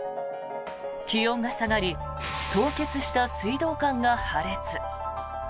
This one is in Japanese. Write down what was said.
気温が下がり凍結した水道管が破裂。